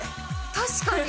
確かに。